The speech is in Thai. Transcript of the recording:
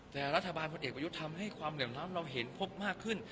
แต่รัฐบาลพลเอกประยุทธ์ทำให้ความเหลื่อมล้ำเราเห็นพบมากขึ้น